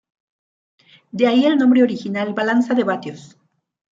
De ahí el nombre original "balanza de vatios".